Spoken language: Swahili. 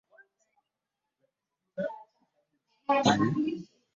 mamlaka ambao huwajibika kwa maamuzi ya kisiasa hadi wafanywe wazee wenye mamlaka Thelathini na